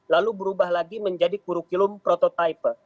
lalu berubah lagi menjadi kurikulum prototipe